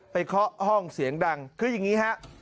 เคาะห้องเสียงดังคืออย่างนี้ฮะ